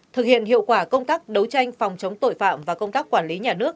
thực hiện hiệu quả công tác đấu tranh phòng chống tội phạm và công tác quản lý nhà nước